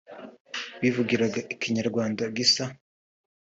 bivugiraga Ikinyarwanda gisa